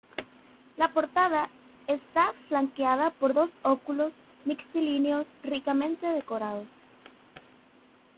La portada está flanqueada por dos óculos mixtilíneos ricamente decorados.